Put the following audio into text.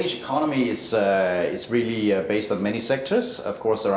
untuk memanfaatkan pertanian terbaru di dunia